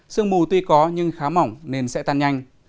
sương mù tuy có nhưng khá mỏng nên sẽ tan nhanh